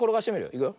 いくよ。